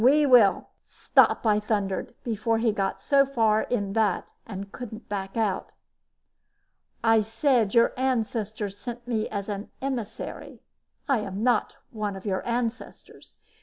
We will " "Stop!" I thundered before he got so far in that he couldn't back out. "I said your ancestors sent me as emissary I am not one of your ancestors.